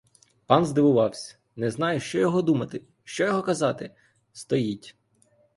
Пан здивувавсь; не знає, що його думати, що його казати, — стоїть.